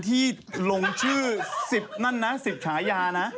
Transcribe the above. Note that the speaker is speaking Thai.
พี่หนิงมาบ่อยนะคะชอบเห็นมั้ยดูมีสาระหน่อย